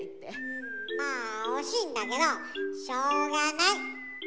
うんまあ惜しいんだけどしょうがない。